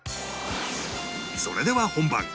それでは本番